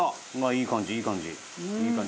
いい感じいい感じ！